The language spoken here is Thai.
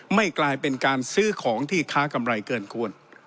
ไม่กลายเป็นการซื้อของที่ค้ากำไรเกินควร